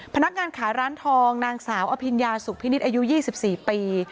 พนักงานขายร้านทองนางสาวอภิญญาสุขพินิษฐ์อายุ๒๔ปี